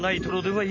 はい。